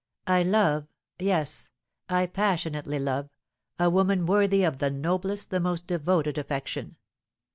I love yes, I passionately love a woman worthy of the noblest, the most devoted affection.